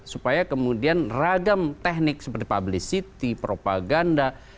supaya kemudian ragam teknik seperti publicity propaganda media sosial